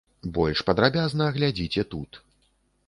Больш падрабязна глядзіце тут.